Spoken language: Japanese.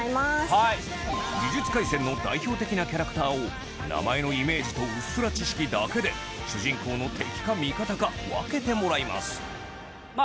『呪術廻戦』の代表的なキャラクターを名前のイメージとうっすら知識だけで主人公の敵か味方か分けてもらいます